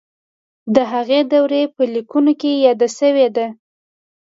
د هغې دورې په لیکنو کې یاده شوې ده.